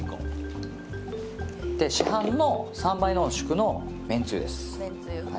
市販の３倍濃縮のめんつゆです。